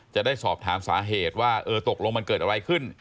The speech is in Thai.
จะได้สอบถามสาเหตุว่าเออตกลงมันเกิดอะไรขึ้น